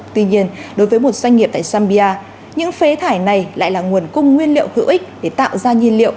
tuy nhiên đối với một doanh nghiệp tại sambia những phế thải này lại là nguồn cung nguyên liệu hữu ích để tạo ra nhiên liệu